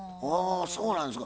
そうなんですか？